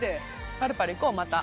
パルパル行こうまた。